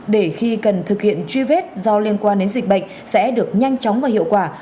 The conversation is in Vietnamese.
để khi cần thực hiện truy vết do liên quan đến dịch bệnh sẽ được nhanh chóng và hiệu quả